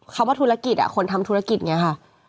คำว่าธุรกิจอ่ะคนทำธุรกิจเนี่ยค่ะ